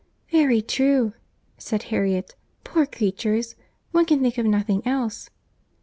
"Very true," said Harriet. "Poor creatures! one can think of nothing else."